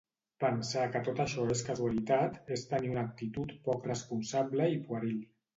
Pensar que tot això és casualitat és tenir una actitud poc responsable i pueril.